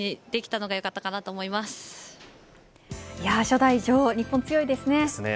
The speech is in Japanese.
初代女王、日本強いですね。